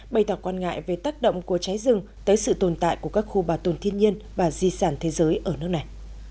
bày tỏ quan ngại về tác động của cháy rừng tới sự tồn tại của các khu bảo tồn thiên nhiên và di sản thế giới ở nước này